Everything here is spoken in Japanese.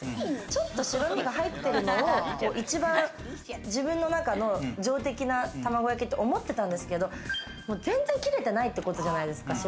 ちょっと白身が入ってるのを一番自分の中の上出来な卵焼きと思ってたんですけれど、全然切れてないってことじゃないですか。